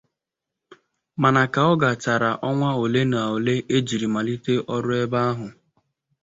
mana ka ọ gachaara ọnwa ole na ole e jiri malite ọrụ ebe ahụ